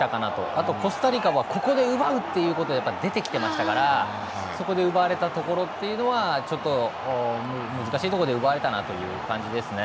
あとコスタリカはここで奪うということで出てきてましたからそこで奪われたところというのはちょっと難しいところで奪われたなという感じですね。